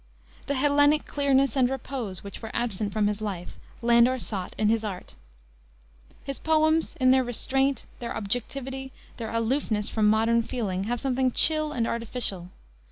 The Hellenic clearness and repose which were absent from his life, Landor sought in his art. His poems, in their restraint, their objectivity, their aloofness from modern feeling, have something chill and artificial.